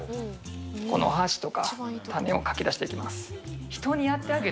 この端とか種をかき出していきます。